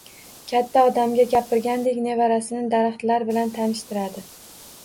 Katta odamga gapirgandek nevarasini daraxtlar bilan tanishtiradi